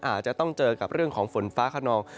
อาจจะต้องเจอกับเรื่องของฝนฟ้าขนอง